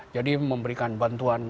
jadi memberikan bantuan